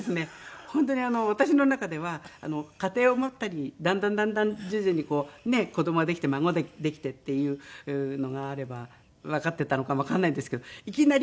本当に私の中では家庭を持ったりだんだんだんだん徐々にこうね子どもができて孫ができてっていうのがあればわかってたのかもわからないんですけどいきなり。